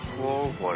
これ。